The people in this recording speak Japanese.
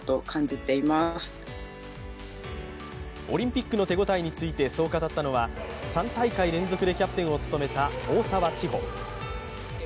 オリンピックの手応えについてそう語ったのは３大会連続でキャプテンを務めた大澤ちほ。